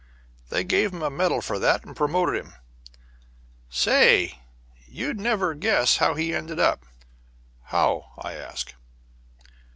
They gave him the medal for that, and promoted him. Say, you'd never guess how he ended up?" "How?" I asked.